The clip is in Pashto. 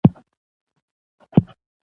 که دوکه دې وخوړه